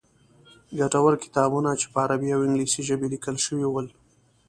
ګټور کتابونه چې په عربي او انګلیسي ژبې لیکل شوي ول.